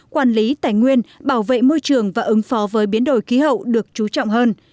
quản lý tài nguyên bảo vệ môi trường và ứng phó với biến đổi khí hậu được chú trọng hơn